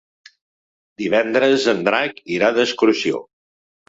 Divendres en Drac irà d'excursió.